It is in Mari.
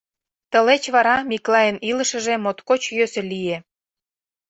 Тылеч вара Миклайын илышыже моткоч йӧсӧ лие.